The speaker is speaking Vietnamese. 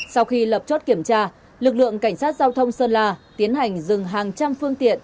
sau khi lập chốt kiểm tra lực lượng cảnh sát giao thông sơn la tiến hành dừng hàng trăm phương tiện